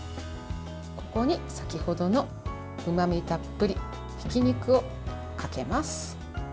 ここに先ほどのうまみたっぷりひき肉をかけます。